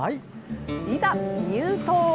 いざ入湯！